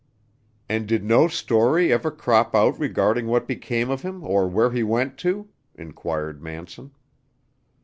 '" "And did no story ever crop out regarding what became of him, or where he went to?" inquired Manson.